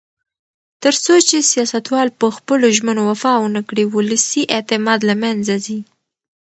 تر څو چې سیاستوال په خپلو ژمنو وفا ونکړي، ولسي اعتماد له منځه ځي.